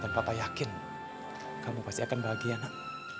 dan papa yakin kamu pasti akan bahagia nak